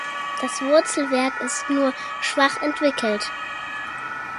Das Wurzelwerk ist nur schwach entwickelt.